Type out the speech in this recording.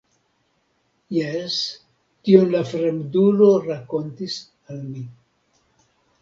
Jes, tion la fremdulo rakontis al mi.